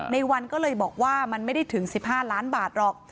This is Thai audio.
ในวันก็เลยบอกว่ามันไม่ได้ถึง๑๕ล้านบาทหรอก